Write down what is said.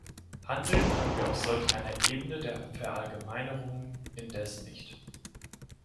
Handeln können wir auf solch einer Ebene der Verallgemeinerungen indes nicht.